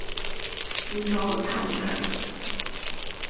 換咗個頭像